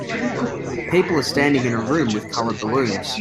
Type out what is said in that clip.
People are standing in a room with colored balloons.